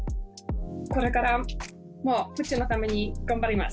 これからも府中のために頑張ります。